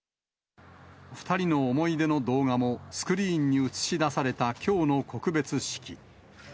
２人の思い出の動画も、スクリーンに映し出されたきょうの告別式。